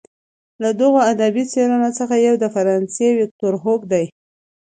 له دغو ادبي څیرو څخه یو د فرانسې ویکتور هوګو دی.